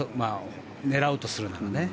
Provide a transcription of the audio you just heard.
狙うとするならね。